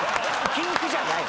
禁句じゃない。